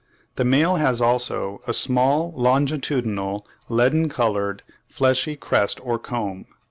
The male has also a small, longitudinal, leaden coloured, fleshy crest or comb.